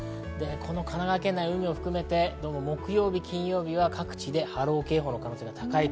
この神奈川県内、海を含めて木曜日金曜日は各地で波浪警報の可能性が高いです。